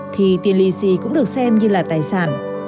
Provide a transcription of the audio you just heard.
thì tiền lì xì cũng được xem như là tài sản